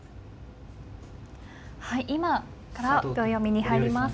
はい今から秒読みに入ります。